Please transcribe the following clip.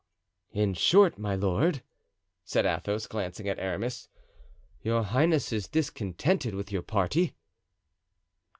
"In short, my lord," said Athos, glancing at Aramis, "your highness is discontented with your party?"